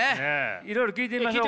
いろいろ聞いてみましょうか。